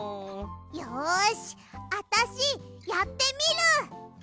よしあたしやってみる！